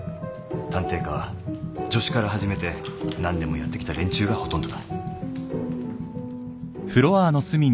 探偵課は助手から始めて何年もやってきた連中がほとんどだ。